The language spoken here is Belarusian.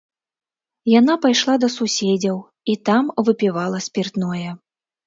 Яна пайшла да суседзяў і там выпівала спіртное.